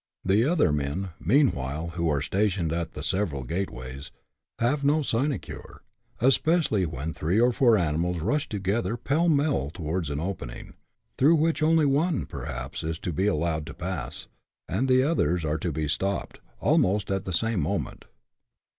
The other men, mean while, who are stationed at the several gateways, have no sine cure, especially when three or four animals rush together pell mell towards an opening, through which only one, perhaps, is to be allowed to pass, and the others are to be stopped, almost at the same moment.